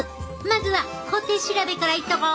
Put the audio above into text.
まずは小手調べからいっとこ！